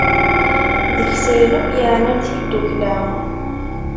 Deg-s ayen yakk yeɛnan tiddukkla.